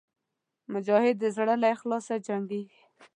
مجاهد د زړه له اخلاصه جنګېږي.